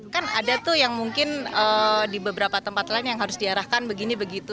kan ada tuh yang mungkin di beberapa tempat lain yang harus diarahkan begini begitu